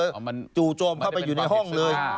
มันจู่โจมเข้าไปอยู่ในห้องเลย